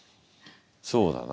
そうだな。